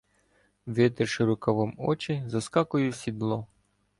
Витерши рукавом очі, заскакую в сідло.